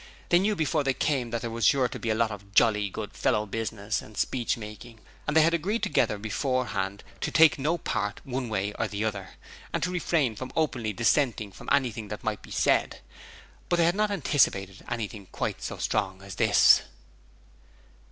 They knew before they came that there was sure to be a lot of 'Jolly good fellow' business and speechmaking, and they had agreed together beforehand to take no part one way or the other, and to refrain from openly dissenting from anything that might be said, but they had not anticipated anything quite so strong as this.